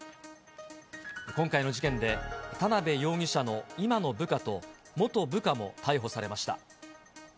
今回の事件で、田辺容疑者の今の部下と、元部下も逮捕されました。